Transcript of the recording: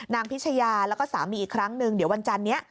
พิชยาแล้วก็สามีอีกครั้งหนึ่งเดี๋ยววันจันนี้